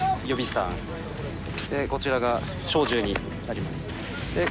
そしてこちらが小銃になります。